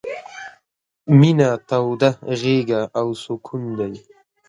— مينه توده غېږه او سکون دی...